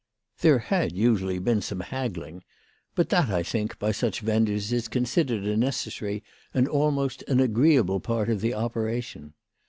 There had usually been some haggling ; but that, I think, by such vendors is considered a necessary and almost an agreeable part of the operation.